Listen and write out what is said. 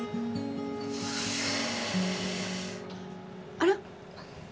あら？